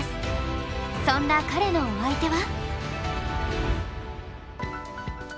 そんな彼のお相手は。